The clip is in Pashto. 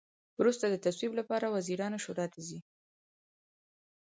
وروسته د تصویب لپاره وزیرانو شورا ته ځي.